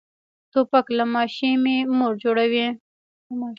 توپک له ماشومې مور جوړوي.